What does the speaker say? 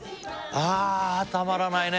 ああたまらないね